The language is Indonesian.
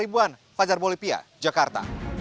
rumah basah terdekat